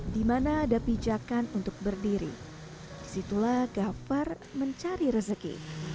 di mana ada pijakan untuk berdiri disitulah gafar mencari rezeki